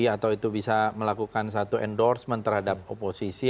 atau itu bisa melakukan satu endorsement terhadap oposisi